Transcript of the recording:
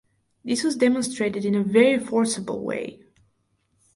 This was demonstrated in a very forcible way.